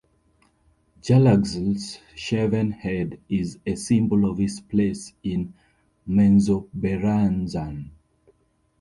Jarlaxle's shaven head is a symbol of his place in Menzoberranzan.